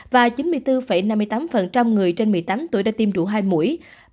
và chín mươi bốn năm mươi tám người trên một mươi tám tuổi đã tiêm đủ hai mũi